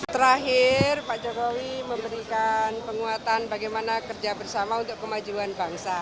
terakhir pak jokowi memberikan penguatan bagaimana kerja bersama untuk kemajuan bangsa